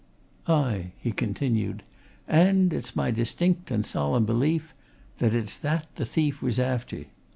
"Aye!" he continued. "And it's my distinct and solemn belief that it's that the thief was after!